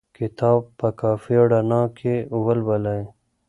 کتاب په کافي رڼا کې ولولئ.